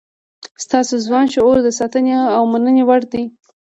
ستاسو ځوان شعور د ستاینې او مننې وړ دی.